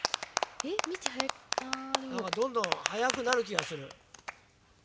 なんかどんどんはやくなるきがする。